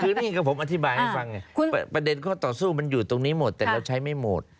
คือนี่ก็ผมอธิบายให้ฟังไงประเด็นข้อต่อสู้มันอยู่ตรงนี้หมดแต่เราใช้ไม่หมด